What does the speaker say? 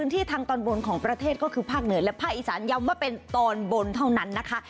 ที่ภาคเหนือและภาคอีสานยังมาเป็นตอนบนเท่านั้นนะคะ